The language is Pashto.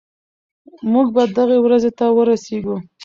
موږ به دغې ورځې ته ورسېږو.